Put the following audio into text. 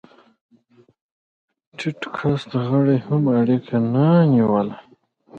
ټيټ کاست غړي هم اړیکه نه نیوله.